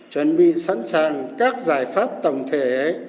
chuẩn bị sẵn sàng các giải pháp tổng thể